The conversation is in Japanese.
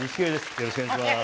よろしくお願いします。